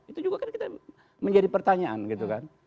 itu juga kan kita menjadi pertanyaan gitu kan